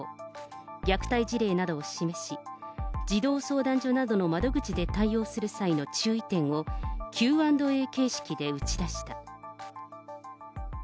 虐待事例などを示し、児童相談所などの窓口で対応する際の注意点をＱ＆Ａ形式で打ち出した。